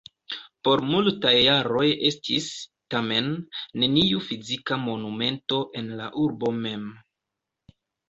Por multaj jaroj estis, tamen, neniu fizika monumento en la urbo mem.